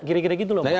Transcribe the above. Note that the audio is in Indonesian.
gira gira gitu loh pak